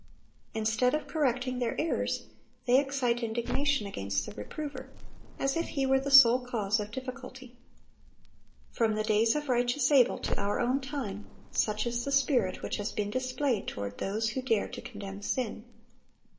Instead of correcting their errors, they excite indignation against the reprover, as if he were the sole cause of difficulty. From the days of righteous Abel to our own time, such is the spirit which has been displayed toward those who dare to condemn sin.